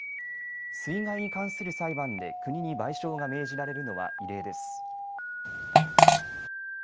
水害に関する裁判で国に賠償が命じられるのは異例です。